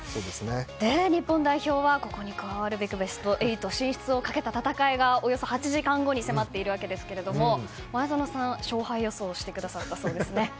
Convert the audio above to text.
日本代表はここに加わるべくベスト８進出をかけた戦いがおよそ８時間後に迫っているわけですが前園さん、勝敗予想をされてくださったそうです。